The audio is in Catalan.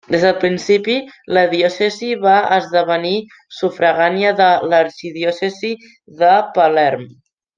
Des del principi la diòcesi va esdevenir sufragània de l'arxidiòcesi de Palerm.